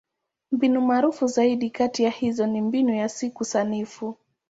Mbinu maarufu zaidi kati ya hizo ni Mbinu ya Siku Sanifu.